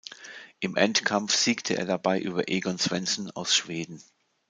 Im Endkampf siegte er dabei über Egon Svensson aus Schweden.